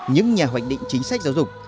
những nhà hoạch định chính sách giáo dục